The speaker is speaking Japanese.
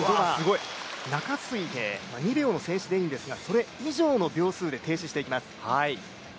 中水平、２秒の制止でいいんですがそれ以上の秒数で停止していきます。